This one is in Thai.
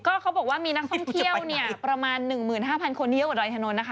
ก็เขาบอกว่ามีนักท่องเที่ยวเนี่ยประมาณ๑๕๐๐คนที่เยอะกว่าดอยถนนนะคะ